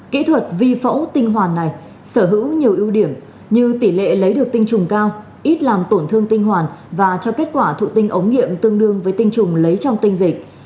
kỹ thuật vi phẫu tinh hoàn này sở hữu nhiều ưu điểm như tỷ lệ lấy được tinh trùng cao ít làm tổn thương tinh hoàn và cho kết quả thụ tinh ống nghiệm tương đương với tinh trùng lấy trong tinh dịch